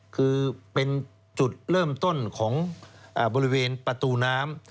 คือเป็นจุดเริ่มต้นของบริเวณประตูน้ำ